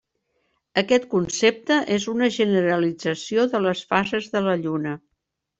Aquest concepte és una generalització de les fases de la lluna.